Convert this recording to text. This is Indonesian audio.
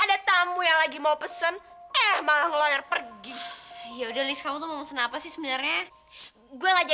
kita mau yang lagi mau pesen eh mah loyang pergi ya udah nih kamu mau apa sih sebenarnya gue aja